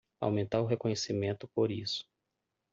Aumentar o reconhecimento por isso